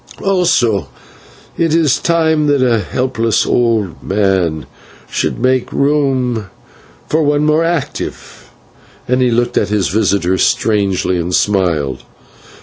Also it is time that a helpless old man should make room for a more active one." And he looked at his visitor strangely, and smiled.